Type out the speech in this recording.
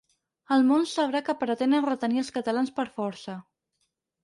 El món sabrà que pretenen retenir els catalans per força.